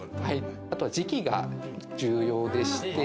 あとは時期が重要でして。